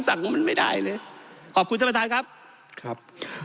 สั่งของมันไม่ได้เลยขอบคุณท่านประธานครับครับ